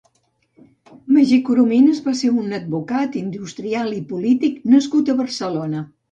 Magí Coromines va ser un advocat, industrial i polític nascut a Barcelona.